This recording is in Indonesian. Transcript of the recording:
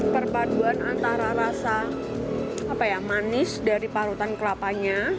perpaduan antara rasa manis dari parutan kelapanya